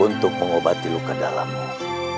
untuk mengobati luka dalammu